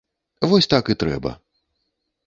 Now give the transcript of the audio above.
Вось так і трэба.